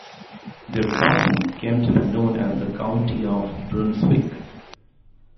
Their county came to be known as the County of Brunswick.